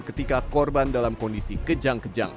ketika korban dalam kondisi kejang kejang